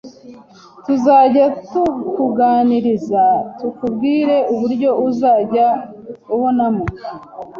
tuzajya tukuganiriza tukubwire uburyo uzajya ubonamo